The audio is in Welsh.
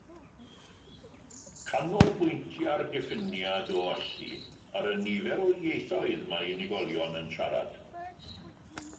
Canolbwyntia'r diffiniad o allu ar y nifer o ieithoedd mae unigolion yn siarad.